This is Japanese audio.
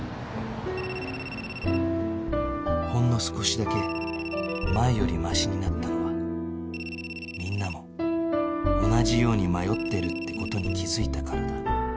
ほんの少しだけ前よりマシになったのはみんなも同じように迷ってるって事に気づいたからだ